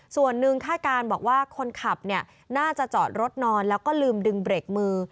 ส่วนหนึ่งคาดการณ์บอกว่าคนขับน่าจะจอดรถนอนแล้วก็ลืมดึงเบรกมือ